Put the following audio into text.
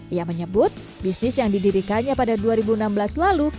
ia menyebut bisnis yang didirikannya pada dua ribu enam belas lalu